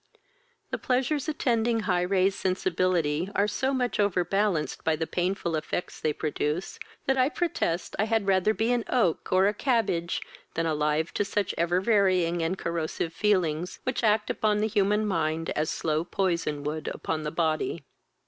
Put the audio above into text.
The pleasures attending high raised sensibility are so much over balanced by the painful effects they produce, that I protest I had rather be an oak, or a cabbage, than alive to such every varying and corrosive feelings, which act upon the human mind as slow poison would upon the body.